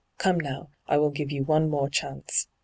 Come, now, I will give you one more chance.